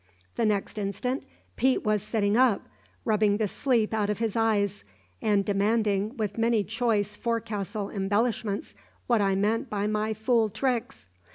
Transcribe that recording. The next instant Pete was sitting up, rubbing the sleep out of his eyes, and demanding with many choice forecastle embellishments what I meant by my fool tricks.